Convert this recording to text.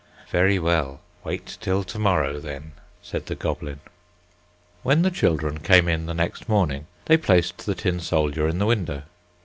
"Very well; wait till to morrow, then," said the goblin. When the children came in the next morning, they placed the tin soldier in the window.